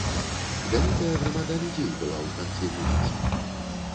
Вялікая грамада людзей была ў канцы вуліцы.